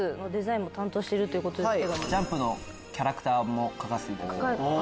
ＪＵＭＰのキャラクター描かせていただいてます。